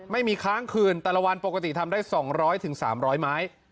ค้างคืนแต่ละวันปกติทำได้๒๐๐๓๐๐ไม้